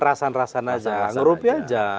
rasan rasan aja ngerupi aja